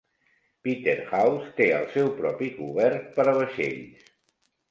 Peterhouse té el seu propi cobert per a vaixells.